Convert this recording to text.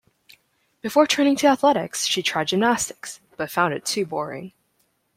Before turning to athletics she tried gymnastics, but found it too boring.